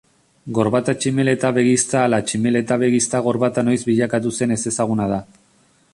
Gorbata tximeleta-begizta ala tximeleta-begizta gorbata noiz bilakatu zen ezezaguna da.